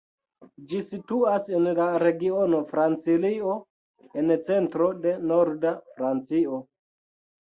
Ĝi situas en la regiono Francilio en centro de norda Francio.